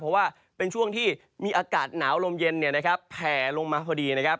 เพราะว่าเป็นช่วงที่มีอากาศหนาวลมเย็นแผ่ลงมาพอดีนะครับ